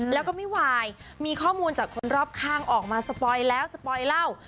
แล้วก็ไม่วายมีข้อมูลจากคนรอบข้างออกมาสปอยแล้วสปอยเล่า